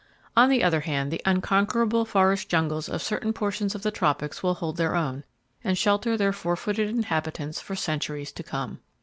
On the other hand, the unconquerable forest jungles of certain portions of the tropics will hold their own, and shelter their four footed inhabitants for centuries to come.